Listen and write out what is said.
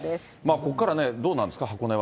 ここからどうなんですか、箱根は。